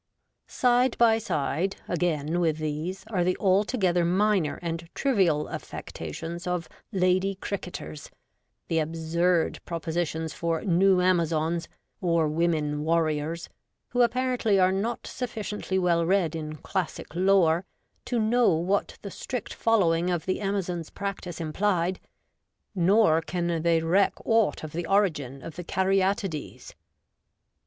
Side by side, again, with these, are the altogether minor and trivial affectations of Lady Cricketers, the absurd propositions for New Amazons, or Women Warriors, who apparently are not sufficiently well read in classic lore to know what the strict following of the Amazons' practice implied ; nor can they reck aught of the origin of the Caryatides.